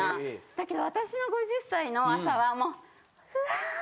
だけど私の５０歳の朝はもう。